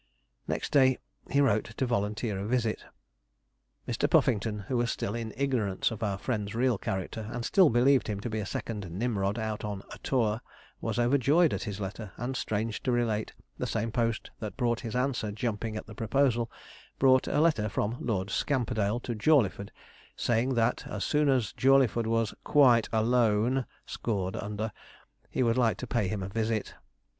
Next day he wrote to volunteer a visit. Mr. Puffington, who was still in ignorance of our friend's real character, and still believed him to be a second 'Nimrod' out on a 'tour,' was overjoyed at his letter; and, strange to relate, the same post that brought his answer jumping at the proposal, brought a letter from Lord Scamperdale to Jawleyford, saying that, 'as soon as Jawleyford was quite alone (scored under) he would like to pay him a visit.'